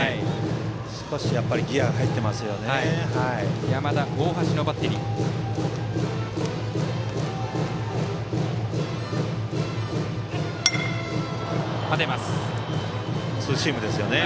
少しギヤが入ってますね。